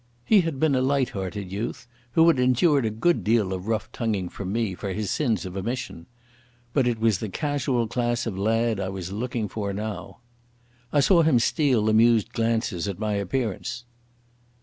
He had been a light hearted youth, who had endured a good deal of rough tonguing from me for his sins of omission. But it was the casual class of lad I was looking for now. I saw him steal amused glances at my appearance.